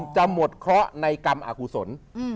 จะหมดเคราะห์ในกรรมอากุศล